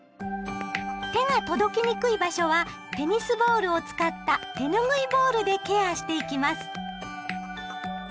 手が届きにくい場所はテニスボールを使った手ぬぐいボールでケアしていきます。